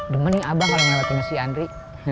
demen nih abang kalau ngelawatin si andri